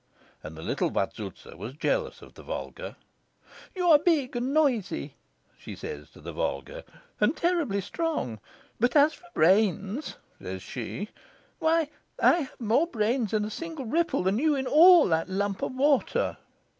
And the little Vazouza was jealous of the Volga. "You are big and noisy," she says to the Volga, "and terribly strong; but as for brains," says she, "why, I have more brains in a single ripple than you in all that lump of water."